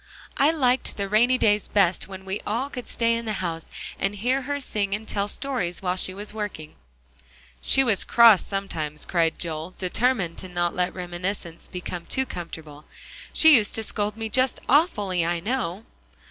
"I liked the rainy days best when we all could stay in the house, and hear her sing and tell stories while she was working." "She was cross sometimes," cried Joel, determined not to let reminiscences become too comfortable; "she used to scold me just awfully, I know."